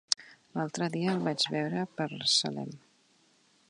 L'altre dia el vaig veure per Salem.